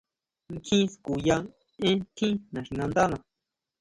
Kjín skuya énn tjín naxinándana.